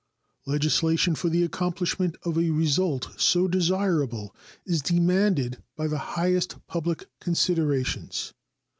Legislation for the accomplishment of a result so desirable is demanded by the highest public considerations.